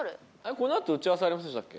このあと打ち合わせありませんでしたっけ？